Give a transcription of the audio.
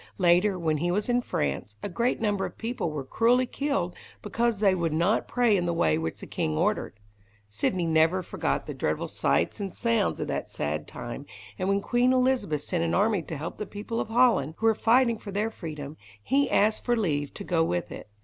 Later, when he was in France, a great number of people were cruelly killed because they would not pray in the way which the king ordered. Sidney never forgot the dreadful sights and sounds of that sad time, and when Queen Elizabeth sent an army to help the people of Holland, who were fighting for their freedom, he asked for leave to go with it.